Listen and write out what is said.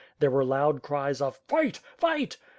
There were loud cries of "Fight! fight!"